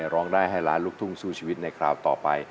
ร้องได้ให้ล้านลูกทุ่งสู้ชีวิตในคราวต่อไป